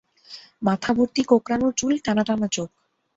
মাথাভর্তি কোঁকড়ানো চুল টানা টানা চোখ।